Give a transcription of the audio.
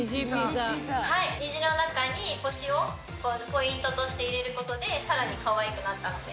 虹の中に星をポイントとして入れることで更にカワイくなったので。